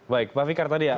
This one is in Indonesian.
baik pak fikar tadi ya